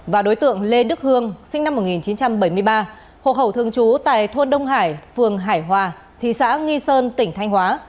và đối tượng lê đức hương sinh năm một nghìn chín trăm bảy mươi ba hộ khẩu thường trú tại thôn đông hải phường hải hòa thị xã nghi sơn tỉnh thanh hóa